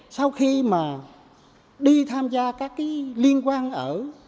sau khi mà đi tham gia các cái liên quan ở cấp quốc tế